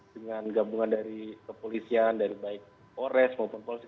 dengan gabungan dari kepolisian dari baik polres maupun pols